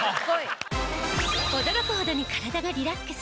驚くほどに体がリラックス！